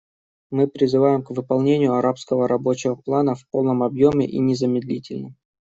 Мы призываем к выполнению арабского рабочего плана в полном объеме и незамедлительно.